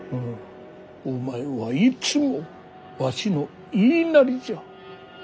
お前はいつもわしの言いなりじゃ。